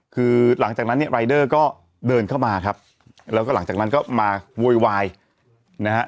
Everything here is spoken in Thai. คือหลังจากนั้นเนี่ยรายเดอร์ก็เดินเข้ามาครับแล้วก็หลังจากนั้นก็มาโวยวายนะฮะ